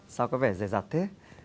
sao có vẻ dài dạt thế